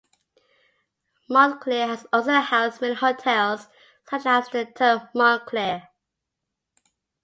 Montclair has also housed many hotels, such as the defunct Hotel Montclair.